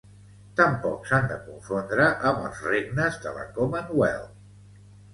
Tampoc s'han de confondre amb els regnes de la Commonwealth.